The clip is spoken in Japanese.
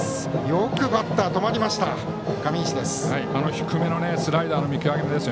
よくバッター止まりました上石です。